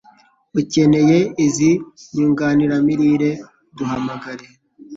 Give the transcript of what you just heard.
Ukeneye izi nyunganiramirire duhamagare